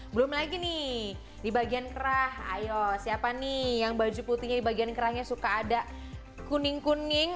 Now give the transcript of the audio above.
belum lagi nih di bagian kerah ayo siapa nih yang baju putihnya di bagian kerahnya suka ada kuning kuning